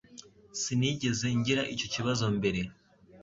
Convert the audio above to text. Sinigeze ngira icyo kibazo mbere